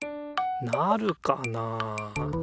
なるかなあ。